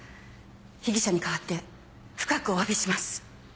被疑者に代わって深くおわびします。